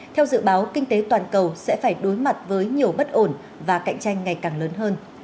theo dự báo kinh tế toàn cầu sẽ phải đối mặt với nhiều bất ổn và cạnh tranh ngày càng lớn hơn